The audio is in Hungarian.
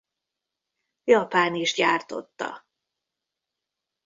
Japán is gyártotta.